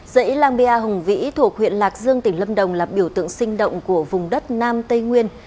dãy la bia hùng vĩ thuộc huyện lạc dương tỉnh lâm đồng là biểu tượng sinh động của vùng đất nam tây nguyên